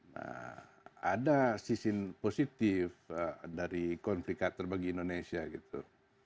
nah ada sisi positif dari confikator bagi indonesia gitu